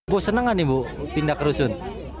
bu senang nggak nih bu pindah ke rusun